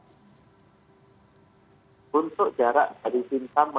apakah bapak juga bisa berkoordinasi dengan wilayah wilayah yang tadi saya sudah sebutkan pak